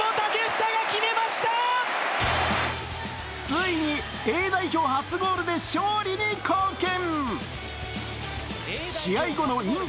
ついに、Ａ代表初ゴールで勝利に貢献。